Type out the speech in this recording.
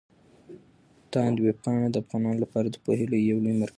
تاند ویبپاڼه د افغانانو لپاره د پوهې يو لوی مرکز دی.